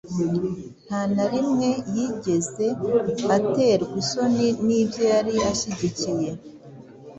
nta na rimwe yigeze aterwa isoni z’ibyo yari ashyigikiye.